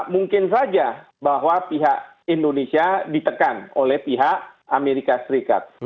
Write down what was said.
mungkin saja bahwa pihak indonesia ditekan oleh pihak amerika serikat